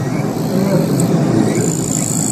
Anwa ay tent-id-yuwyen?